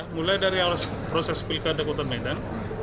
mulai dari proses pilkada kota medan